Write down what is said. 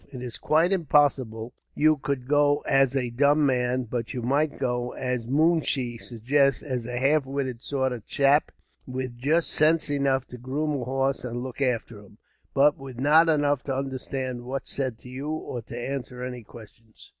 It's quite impossible you could go as a dumb man; but you might go, as the moonshee suggests, as a half witted sort of chap; with just sense enough to groom a horse and look after him, but with not enough to understand what's said to you, or to answer any questions."